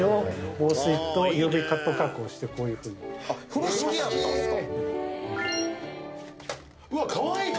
風呂敷やったんすか。